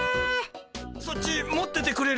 そっち持っててくれる？